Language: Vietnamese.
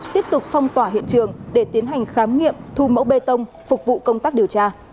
tiếp tục phong tỏa hiện trường để tiến hành khám nghiệm thu mẫu bê tông phục vụ công tác điều tra